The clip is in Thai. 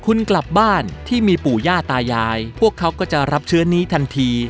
คุณกลับบ้านที่มีปู่ย่าตายายพวกเขาก็จะรับเชื้อนี้ทันที